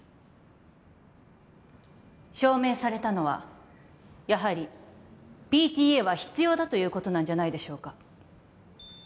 証明されたのはやはりＰＴＡは必要だということなんじゃないでしょうか